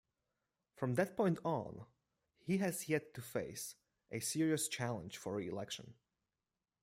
From that point on he has yet to face a serious challenge for reelection.